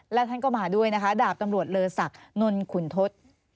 และท่านก็มาด้วยนะคะดาบตำรวจเลอศักดิ์นนขุนทศ